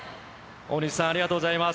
大西さん、ありがとうございます。